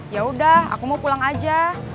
yaudah aku mau pulang aja